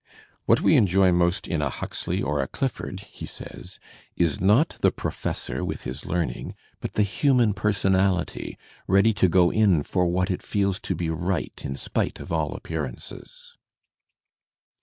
"What we enjoy most in a Huxley or a Clifford," he says, is not the professor with his learning, but the human personality ready to go in for what it feels to be right in spite of all appearances."